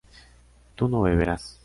¿tú no beberás?